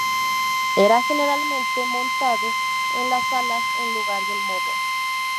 Era generalmente montado en las alas en lugar del morro.